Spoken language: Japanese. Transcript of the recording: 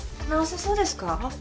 直せそうですか？